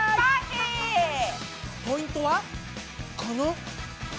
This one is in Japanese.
ポイントはこの。